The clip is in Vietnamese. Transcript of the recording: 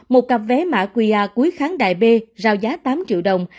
một cặp vé mạ qia cuối kháng đài b giao giá tám triệu đồng